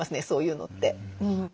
そういうのって。